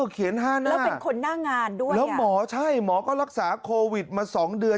เออเขียน๕หน้าแล้วหมอใช่หมอก็รักษาโควิดมา๒เดือน